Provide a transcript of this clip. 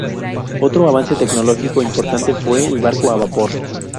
Otro avance tecnológico importante fue el barco a vapor.